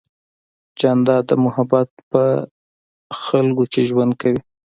جانداد د محبت په خلقو کې ژوند کوي.